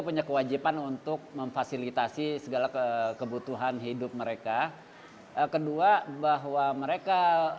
punya kewajiban untuk memfasilitasi segala kebutuhan hidup mereka kedua bahwa mereka